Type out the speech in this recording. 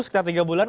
sekitar tiga bulan